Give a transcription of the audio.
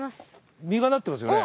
実がなってますよね？